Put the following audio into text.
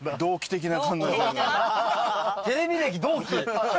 テレビ歴同期。